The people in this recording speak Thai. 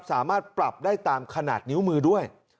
สามารถปรับได้ตามขนาดนิ้วมือด้วย